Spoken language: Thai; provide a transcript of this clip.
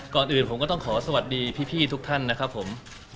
ก่อนอื่นผมก็ต้องขอสวัสดีพี่ทุกท่านนะครับผม